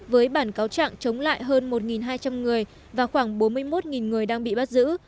với bản cáo trạng chống lại hơn một hai trăm linh người và khoảng bốn mươi một người đang bị bắt giữ